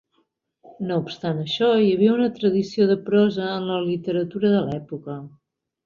No obstant això, hi havia una tradició de prosa en la literatura de l'època.